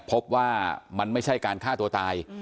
พบว่ามันไม่ใช่การฆ่าตัวตาย